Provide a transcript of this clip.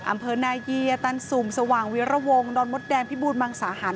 อำเภอนายเยียตันสุ่มสว่างวิรวงดอนมดแดงพิบูรมังสาหาร